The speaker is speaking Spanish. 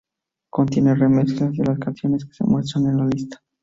Contiene re mezclas de las canciones que se muestran en la lista.